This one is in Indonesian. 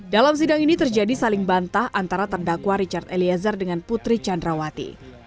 dalam sidang ini terjadi saling bantah antara terdakwa richard eliezer dengan putri candrawati